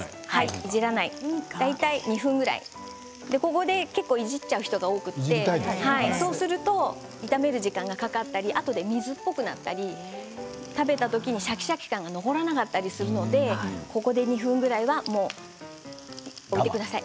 大体２分ぐらいここでいじっちゃう人が多くてそうすると、炒める時間がかかったりあとで水っぽくなったり食べた時のシャキシャキ感が残らなかったりするのでここで２分ぐらいは置いてください。